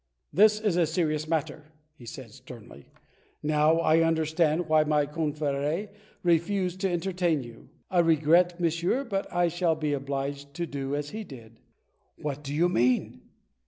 "This is a serious matter," he said sternly. "Now I understand why my confrhe refused to entertain you. I regret, monsieur, but I shall be obliged to do as he did." "What do you mean?"